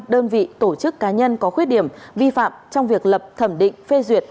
đơn vị tổ chức cá nhân có khuyết điểm vi phạm trong việc lập thẩm định phê duyệt